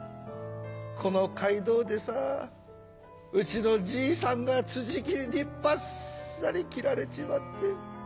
この街道でさうちのじいさんが辻斬りにバッサリ斬られちまって。